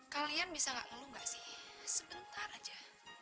kalian bisa gak ngeluh gak sih sebentar aja